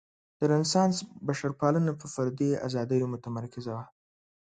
د رنسانس بشرپالنه په فردي ازادیو متمرکزه وه.